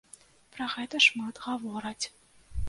Пра гэта шмат гавораць.